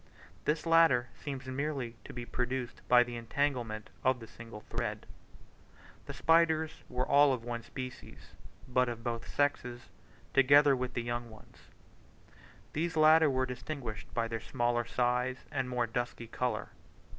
This latter seems merely to be produced by the entanglement of the single threads. The spiders were all of one species, but of both sexes, together with young ones. These latter were distinguished by their smaller size and more dusky colour.